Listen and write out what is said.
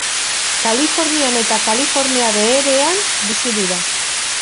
Kalifornian eta Kalifornia Beherean bizi dira.